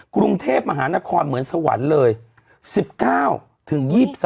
กรุงเทพฯมหานครเหมือนสวรรค์เลย